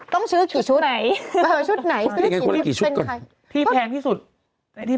ถ้ายืนเทียบเทียบขึ้นวินโดร์คู่